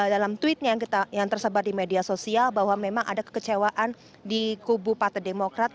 dalam tweetnya yang tersebar di media sosial bahwa memang ada kekecewaan di kubu partai demokrat